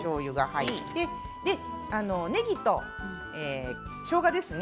ねぎと、しょうがですね。